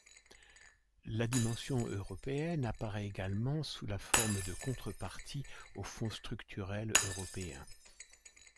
La dimension européenne apparaît également sous la forme de contreparties aux fonds structurels européens.